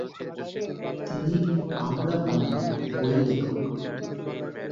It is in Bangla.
তিনি "আমরা বাঙালি" বইয়ের লেখক।